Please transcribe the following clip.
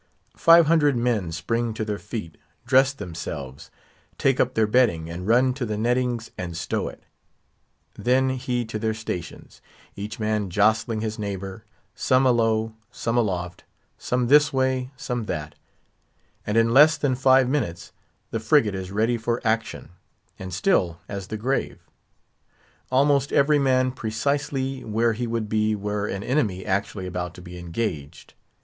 Five hundred men spring to their feet, dress themselves, take up their bedding, and run to the nettings and stow it; then he to their stations—each man jostling his neighbour—some alow, some aloft; some this way, some that; and in less than five minutes the frigate is ready for action, and still as the grave; almost every man precisely where he would be were an enemy actually about to be engaged.